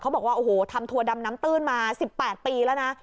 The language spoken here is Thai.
บอกว่าโอ้โหทำถั่วดำน้ำตื้นมา๑๘ปีแล้วนะ